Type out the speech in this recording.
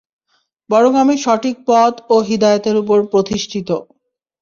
বরং আমি সঠিক পথ ও হিদায়াতের উপর প্রতিষ্ঠিত।